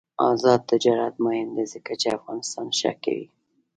آزاد تجارت مهم دی ځکه چې افغانستان ښه کوي.